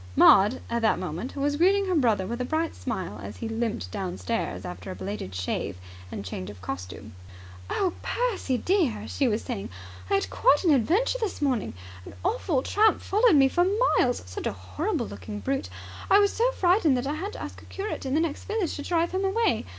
Maud at that moment was greeting her brother with a bright smile, as he limped downstairs after a belated shave and change of costume. "Oh, Percy, dear," she was saying, "I had quite an adventure this morning. An awful tramp followed me for miles! Such a horrible looking brute. I was so frightened that I had to ask a curate in the next village to drive him away.